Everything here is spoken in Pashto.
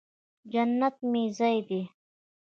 جنت مې ځای دې